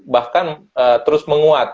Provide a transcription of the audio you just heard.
bahkan terus menguat